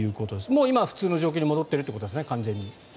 もう今は普通の状況に完全に戻ってるということですね。